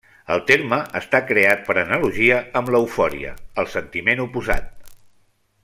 El terme està creat per analogia amb l'eufòria, el sentiment oposat.